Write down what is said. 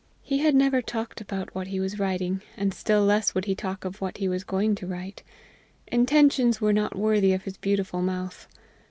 He had never talked about what he was writing, and still less would he talk of what he was going to write. Intentions were not worthy of his beautiful mouth!